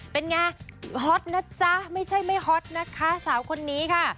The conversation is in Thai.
เป็นไงฮอตนะจ๊ะไม่ใช่ไม่ฮอตนะคะสาวคนนี้ค่ะ